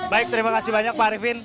baik terima kasih banyak pak arifin